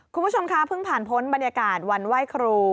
คุณผู้ชมคะเพิ่งผ่านพ้นบรรยากาศวันไหว้ครู